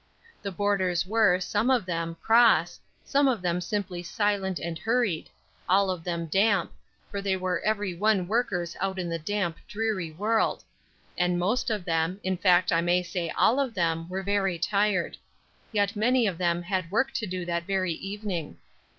The boarders were, some of them, cross, some of them simply silent and hurried, all of them damp, for they were every one workers out in the damp, dreary world; the most of them, in fact, I may say all of them, were very tired; yet many of them had work to do that very evening.